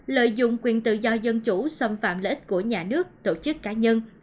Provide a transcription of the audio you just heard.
lợi dụng quyền tự do dân chủ xâm phạm lợi ích của nhà nước tổ chức cá nhân